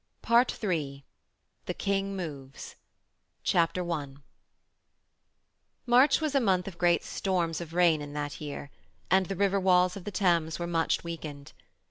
PART THREE THE KING MOVES I March was a month of great storms of rain in that year, and the river walls of the Thames were much weakened.